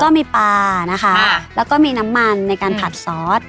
ก็มีปลานะคะแล้วก็มีน้ำมันในการผัดซอส